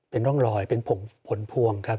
เป็นร่องรอยเป็นผลพวงครับ